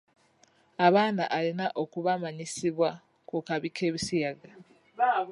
Abaana alina okumanyisibwa ku kabi k'ebisiyaga.